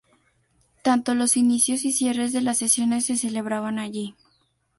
Tanto los inicios y cierres de las sesiones se celebraban allí.